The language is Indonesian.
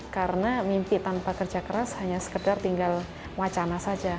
karena mimpi tanpa kerja keras hanya sekedar tinggal macana saja